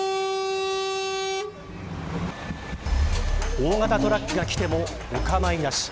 大型トラックが来てもお構いなし。